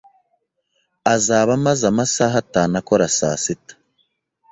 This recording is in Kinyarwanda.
Azaba amaze amasaha atanu akora saa sita.